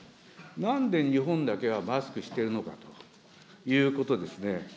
なんで日本だけはマスクしてるのかということですね。